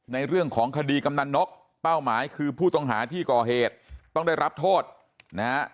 ในเรื่องของคดีกำนันนกเป้าหมายคือผู้ต้องหาที่ก่อเหตุต้องได้รับโทษนะฮะ